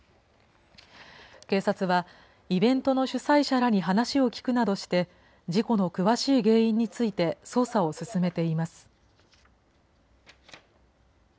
警察は、イベントの主催者らに話を聴くなどして、事故の詳しい原因について捜査を進めています。